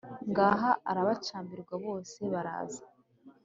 ngaha arabacambirwa bose baraza